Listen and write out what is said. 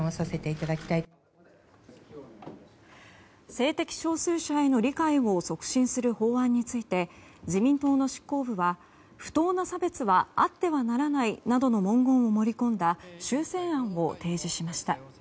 性的少数者への理解を促進する法案について自民党の執行部は不当な差別はあってはならないなどの文言を盛り込んだ修正案を提示しました。